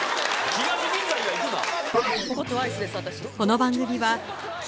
東銀座以外行くな。